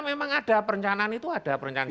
memang ada perencanaan itu ada perencanaan